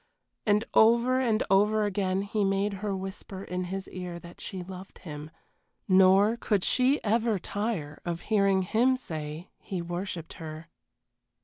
And over and over again he made her whisper in his ear that she loved him nor could she ever tire of hearing him say he worshipped her.